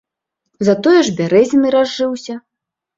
Затое ж бярэзіны разжыўся.